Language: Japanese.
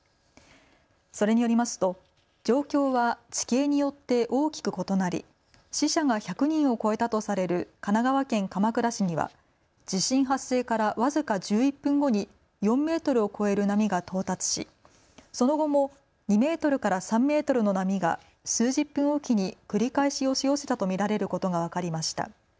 それによりますと状況は地形によって大きく異なり死者が１００人を超えたとされる神奈川県鎌倉市には地震発生から僅か１１分後に４メートルを超える波が到達しその後も２メートルから３メートルの波が数十分置きに繰り返し押し寄せたと見られることが分かりました。